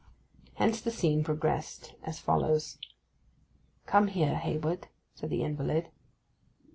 Hence the scene progressed as follows: 'Come here, Hayward,' said the invalid.